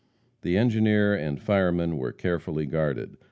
The engineer and fireman were carefully guarded.